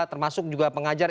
termasuk juga pengajar